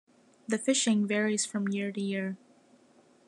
The fishing varies from year to year.